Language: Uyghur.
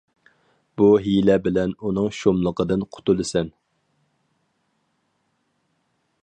بۇ ھىيلە بىلەن ئۇنىڭ شۇملۇقىدىن قۇتۇلىسەن.